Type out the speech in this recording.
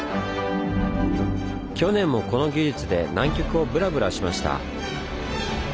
去年もこの技術で南極をブラブラしました！